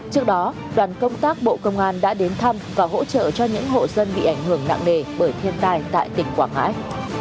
trước đó đoàn công tác bộ công an đã đến thăm và hỗ trợ cho những hộ dân bị ảnh hưởng nặng nề bởi thiên tai tại tỉnh quảng ngãi